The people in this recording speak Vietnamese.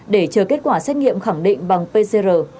để chờ kết quả xét nghiệm khẳng định bằng pcr